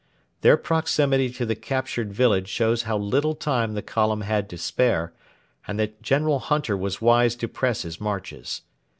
Their proximity to the captured village shows how little time the column had to spare, and that General Hunter was wise to press his marches.